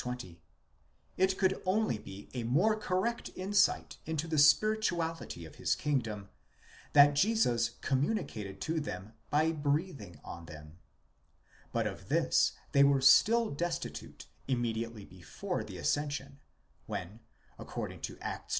20), it could only be a more correct insight into the spirituality of his kingdom that Jesus communicated to them by breathing on them ; but of this they were still destitute immediately before the ascension, when, according to Acts i.